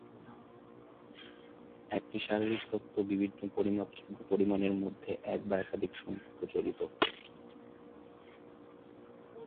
একটি শারীরিক তত্ত্ব বিভিন্ন পরিমাপযোগ্য পরিমাণের মধ্যে এক বা একাধিক সম্পর্ক জড়িত।